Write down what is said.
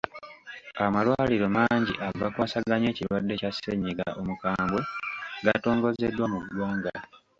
Amalwaliro mangi agakwasaganya ekirwadde kya ssennyiga omukambwe gatongozeddwa mu ggwanga.